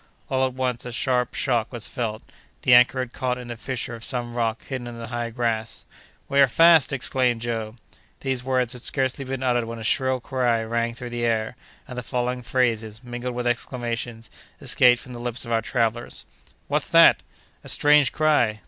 All at once a sharp shock was felt—the anchor had caught in the fissure of some rock hidden in the high grass. "We are fast!" exclaimed Joe. These words had scarcely been uttered when a shrill cry rang through the air, and the following phrases, mingled with exclamations, escaped from the lips of our travellers: "What's that?" "A strange cry!"